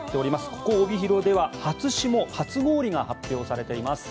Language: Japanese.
ここ、帯広では初霜、初氷が発表されています。